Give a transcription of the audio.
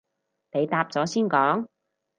你答咗先講